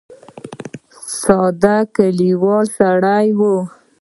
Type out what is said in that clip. ساده کلیوالي سړی و.